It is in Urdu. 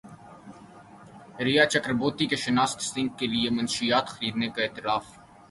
ریا چکربورتی کا سشانت سنگھ کے لیے منشیات خریدنے کا اعتراف